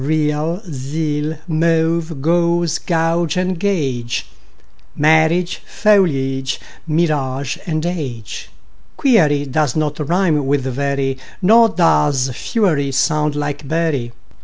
Real, zeal; mauve, gauze and gauge; Marriage, foliage, mirage, age. Query does not rime with very, Nor does fury sound like bury.